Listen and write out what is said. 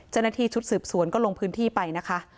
เจ้าหน้าที่ชุดสืบสวนก็ลงพื้นที่ไปนะคะ